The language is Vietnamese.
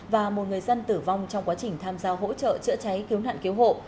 và một người dân tử vong trong quá trình tham gia hỗ trợ chữa cháy cứu nạn cứu hộ